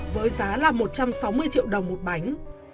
với giá là một trăm sáu mươi triệu đồng một bánh